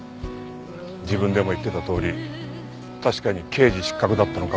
自分でも言ってたとおり確かに刑事失格だったのかもしれない。